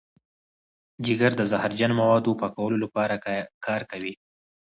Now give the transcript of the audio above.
جگر د زهرجن موادو پاکولو لپاره کار کوي.